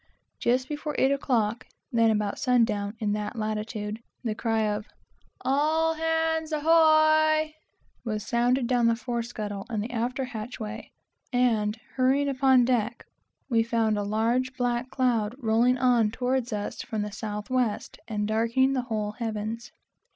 Just before eight o'clock, (then about sun down, in that latitude,) the cry of "All hands ahoy!" was sounded down the fore scuttle and the after hatchway, and hurrying upon deck, we found a large black cloud rolling on toward us from the south west, and blackening the whole heavens.